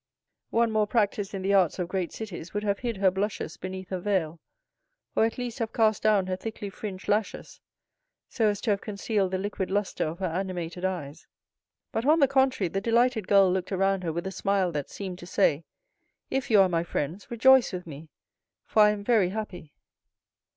One more practiced in the arts of great cities would have hid her blushes beneath a veil, or, at least, have cast down her thickly fringed lashes, so as to have concealed the liquid lustre of her animated eyes; but, on the contrary, the delighted girl looked around her with a smile that seemed to say: "If you are my friends, rejoice with me, for I am very happy."